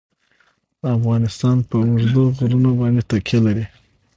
افغانستان په اوږده غرونه باندې تکیه لري.